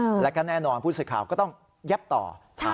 แล้วก็แน่นอนผู้สื่อข่าวก็ต้องแยบต่อ